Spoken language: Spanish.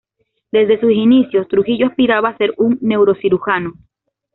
Desde sus inicios, Trujillo aspiraba a ser un neurocirujano.